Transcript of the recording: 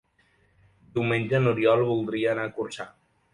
Diumenge n'Oriol voldria anar a Corçà.